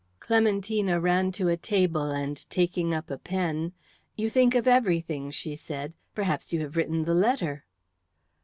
Clementina ran to a table, and taking up a pen, "You think of everything," she said. "Perhaps you have written the letter."